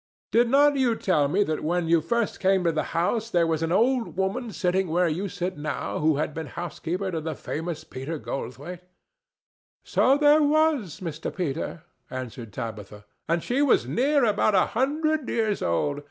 "Did not you tell me that when you first came to the house there was an old woman sitting where you sit now who had been housekeeper to the famous Peter Goldthwaite?" "So there was, Mr. Peter," answered Tabitha, "and she was near about a hundred years old.